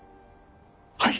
はい。